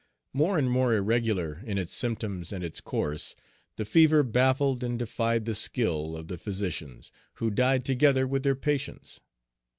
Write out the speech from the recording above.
More and more irregular in its symptoms and its course, the fever baffled and defied the skill of the physicians, who died together with their patients.